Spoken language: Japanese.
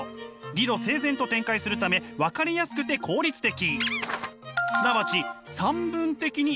理論整然と展開するため分かりやすくて効率的。